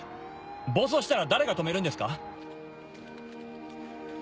暴走したら誰が止めるんですか？